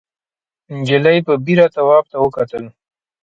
نجلۍ په بېره تواب ته وکتل.